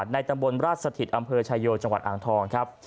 ในตำบลราชสถิตอำเภอชายโยจังหวัดอ่างทองครับ